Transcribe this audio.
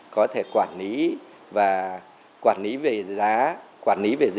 có thể quản lý và quản lý về giá